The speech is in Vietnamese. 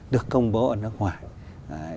được công bố ở nước ngoài